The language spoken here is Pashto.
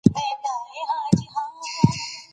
زده کړه ښځه خپل عواید په سمه توګه مصرفوي.